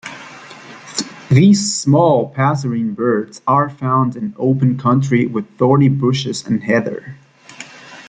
These small passerine birds are found in open country with thorny bushes and heather.